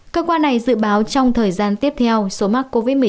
cơ quan này dự báo trong thời gian tiếp theo số mắc covid một mươi chín